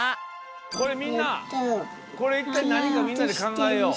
これみんなこれいったいなにかみんなでかんがえよう。